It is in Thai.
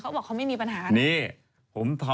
เขาบอกเขาไม่มีปัญหา